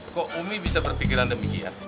kok umi bisa berpikiran demikian